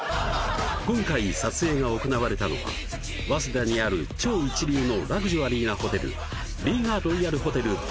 今回撮影が行われたのは早稲田にある超一流のラグジュアリーなホテルリーガロイヤルホテル